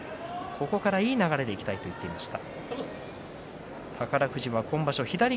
ここからいい流れでいきたいと言っていました。